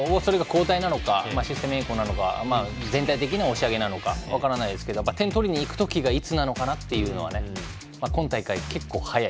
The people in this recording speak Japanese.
それが交代なのかシステム変更なのか全体的な押し上げなのか分からないですが点を取りにいく時がいつなのかなっていうのは今大会結構、早い。